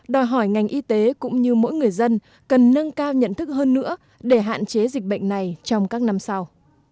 đòi hỏi ngành y tế cũng như mỗi người dân cần nâng cao nhận thức hơn nữa để hạn chế dịch bệnh này trong các năm sau